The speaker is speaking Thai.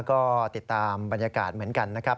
ก็ติดตามบรรยากาศเหมือนกันนะครับ